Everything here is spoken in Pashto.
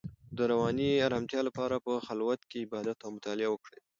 د رواني ارامتیا لپاره په خلوت کې عبادت او مطالعه وکړئ.